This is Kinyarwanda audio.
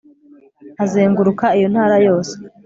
azenguruka iyo ntara yose